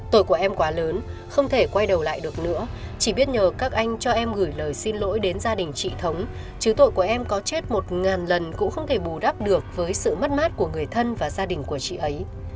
tội của em quá lớn không thể quay đầu lại được nữa chỉ biết nhờ các anh cho em gửi lời xin lỗi đến gia đình chị thống chứ tội của em có chết một lần cũng không thể bù đắp được với sự mất mát của người thân và gia đình của chị ấy